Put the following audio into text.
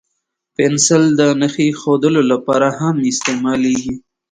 پنسل د نښې اېښودلو لپاره هم استعمالېږي.